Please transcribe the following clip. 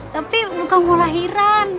tapi bukan mau lahiran